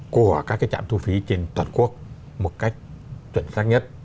của các trạm thu phí trên toàn quốc một cách chuẩn xác nhất